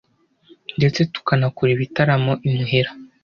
ndetse tukanakora ibitaramo imuhira